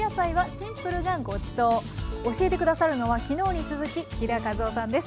教えて下さるのは昨日に続き飛田和緒さんです。